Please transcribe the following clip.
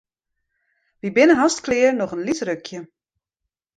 Wy binne hast klear, noch in lyts rukje.